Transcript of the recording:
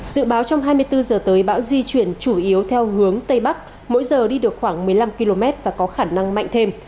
dự báo trong hai mươi bốn h tới bão di chuyển chủ yếu theo hướng tây bắc mỗi giờ đi được khoảng một mươi năm km và có khả năng mạnh thêm